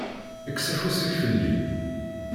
Kkes afus-ik fell-i.